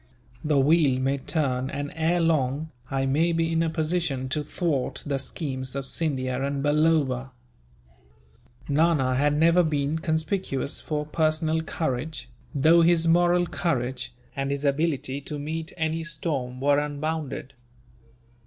The wheel may turn and, ere long, I may be in a position to thwart the schemes of Scindia and Balloba." Nana had never been conspicuous for personal courage, though his moral courage, and his ability to meet any storm were unbounded.